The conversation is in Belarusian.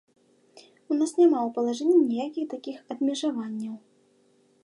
У нас няма ў палажэнні ніякіх такіх абмежаванняў.